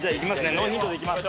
ノーヒントでいきます。